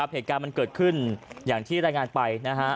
เหตุการณ์มันเกิดขึ้นอย่างที่รายงานไป